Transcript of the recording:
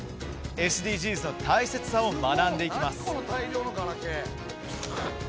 ＳＤＧｓの大切さを学んでいきます。